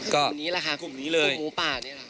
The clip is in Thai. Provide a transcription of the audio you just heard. ก็คือกลุ่มนี้แหละค่ะกลุ่มหมูปากนี้แหละค่ะ